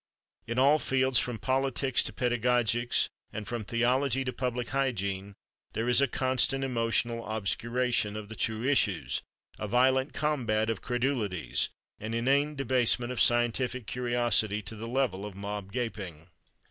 In all fields, from politics to pedagogics and from theology to public hygiene, there is a constant emotional obscuration of the true issues, a violent combat of credulities, an inane debasement of scientific curiosity to the level of mob gaping.